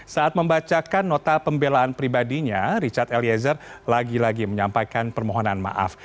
saat membacakan nota pembelaan pribadinya richard eliezer lagi lagi menyampaikan permohonan maaf